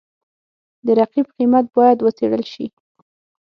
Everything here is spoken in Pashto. د رقیب قیمت باید وڅېړل شي.